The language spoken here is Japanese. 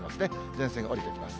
前線が下りてきます。